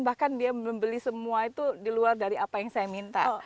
bahkan dia membeli semua itu di luar dari apa yang saya minta